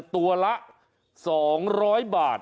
ตัวละ๒๐๐บาท